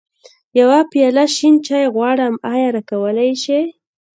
يوه پياله شين چای غواړم، ايا راکولی يې شې؟